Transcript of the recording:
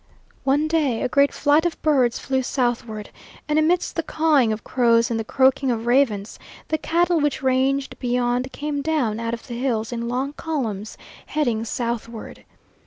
One day a great flight of birds flew southward, and amidst the cawing of crows and the croaking of ravens the cattle which ranged beyond came down out of the hills in long columns, heading southward.